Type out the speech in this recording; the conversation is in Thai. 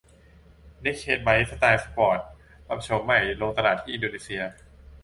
เนกเคดไบค์สไตล์สปอร์ตปรับโฉมใหม่ลงตลาดที่อินโดนีเซีย